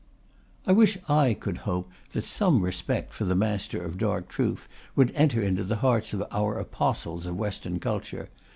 I wish I could hope that some respect for "the Master of Dark Truth" would enter into the hearts of our apostles of Western culture.